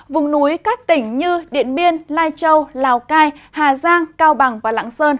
vùng núi các tỉnh như điện biên lai châu lào cai hà giang cao bằng và lạng sơn